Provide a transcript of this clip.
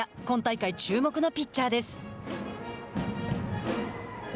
今大会注目のピッチャーです。